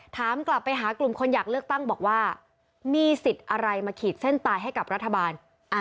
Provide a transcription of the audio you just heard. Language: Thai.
ถามกลับไปหากลุ่มคนอยากเลือกตั้งบอกว่ามีสิทธิ์อะไรมาขีดเส้นตายให้กับรัฐบาล